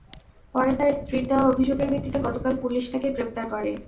পরে তাঁর স্ত্রীর দেওয়া অভিযোগের ভিত্তিতে গতকাল পুলিশ তাঁকে গ্রেপ্তার করে।